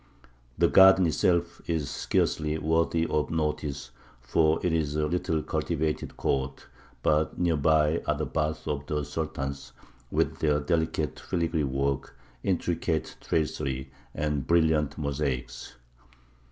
The garden itself is scarcely worthy of notice, for it is a little cultivated court; but near by are the baths of the Sultans, with their delicate filigree work, intricate tracery, and brilliant mosaics.